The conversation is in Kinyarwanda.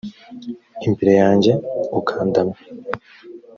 imbere yanjye ukandamya